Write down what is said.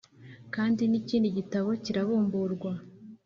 Kandi n’ikindi gitabo kirabumburwa,